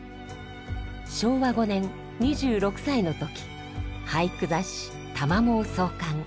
昭和５年２６歳の時俳句雑誌「玉藻」を創刊。